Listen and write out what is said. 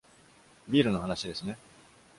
ビールの話ですね!